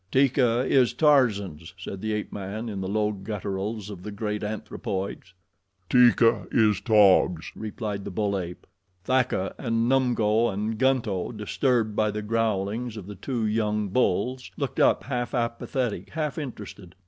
"Teeka is Tarzan's," said the ape man, in the low gutturals of the great anthropoids. "Teeka is Taug's," replied the bull ape. Thaka and Numgo and Gunto, disturbed by the growlings of the two young bulls, looked up half apathetic, half interested.